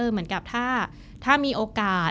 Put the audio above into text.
เหมือนกับถ้ามีโอกาส